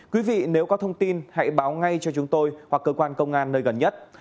quý vị nếu có thông tin hãy báo ngay cho chúng tôi hoặc cơ quan công an nơi gần nhất